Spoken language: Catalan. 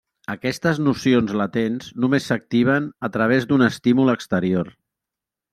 Aquestes nocions latents només s'activen a través d'un estímul exterior.